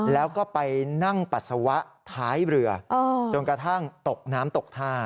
แล้วก็ไปนั่งปัสสาวะท้ายเรือจนกระทั่งตกน้ำตกท่า